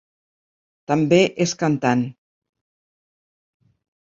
També és cantant.